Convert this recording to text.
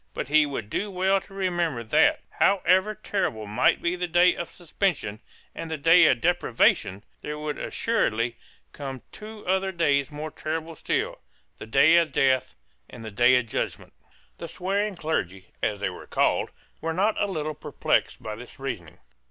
But he would do well to remember that, however terrible might be the day of suspension and the day of deprivation, there would assuredly come two other days more terrible still, the day of death and the day of judgment, The swearing clergy, as they were called, were not a little perplexed by this reasoning.